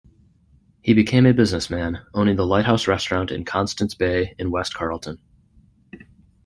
He became a businessman, owning the Lighthouse Restaurant in Constance Bay in West Carleton.